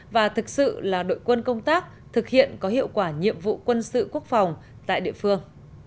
và thực sự là đội quân công tác thực hiện có hiệu quả nhiệm vụ quân sự quốc phòng tại địa phương